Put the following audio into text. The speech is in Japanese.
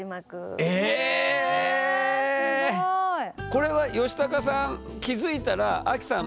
これはヨシタカさん気付いたらアキさん